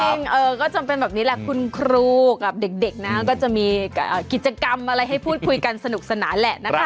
จริงก็จำเป็นแบบนี้แหละคุณครูกับเด็กนะก็จะมีกิจกรรมอะไรให้พูดคุยกันสนุกสนานแหละนะคะ